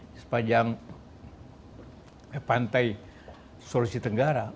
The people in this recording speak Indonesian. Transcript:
di sepanjang pantai sulawesi tenggara